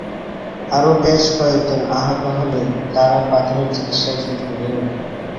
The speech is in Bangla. আরও বেশ কয়েকজন আহত হলেও তাঁরা প্রাথমিক চিকিৎসায় সুস্থ হয়ে ওঠেন।